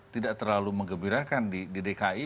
tidak terlalu mengembirakan di dki